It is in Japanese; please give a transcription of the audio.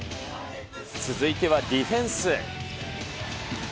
続いてはディフェンス。